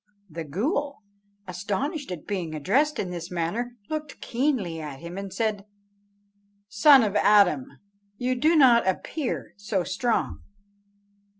The ghool, astonished at being addressed in this manner, looked keenly at him, and said, "Son of Adam, you do not appear so strong."